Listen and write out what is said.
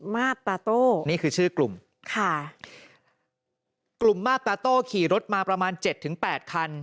มาบตาโต้นี่คือชื่อกลุ่มค่ะกลุ่มมาบตาโต้ขี่รถมาประมาณเจ็ดถึงแปดคัน